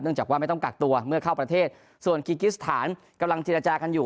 จากว่าไม่ต้องกักตัวเมื่อเข้าประเทศส่วนกิกิสถานกำลังเจรจากันอยู่